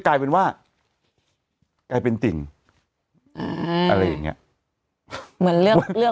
กลายเป็นว่ากลายเป็นติ่งอ่าอะไรอย่างเงี้ยเหมือนเรื่องเรื่อง